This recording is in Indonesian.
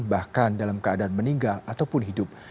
bahkan dalam keadaan meninggal ataupun hidup